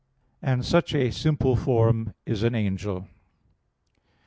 And such a simple form is an angel.